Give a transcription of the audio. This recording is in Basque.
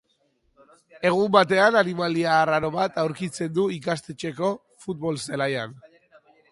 Egun batean animalia arraro bat aurkitzen du ikastetxeko futbol zelaian.